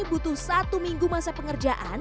butuh satu minggu masa pengerjaan